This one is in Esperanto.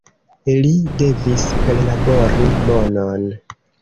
Li devis perlabori monon.